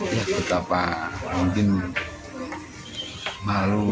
ya betapa mungkin malu